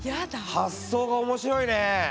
発想が面白いね。